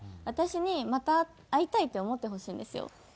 私にまた会いたいって思ってほしいんですよ。